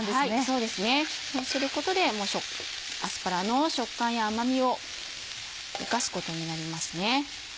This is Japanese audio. そうですねそうすることでアスパラの食感や甘みを生かすことになりますね。